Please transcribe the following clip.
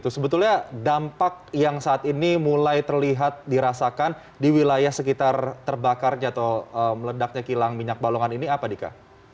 sebetulnya dampak yang saat ini mulai terlihat dirasakan di wilayah sekitar terbakarnya atau meledaknya kilang minyak balongan ini apa dika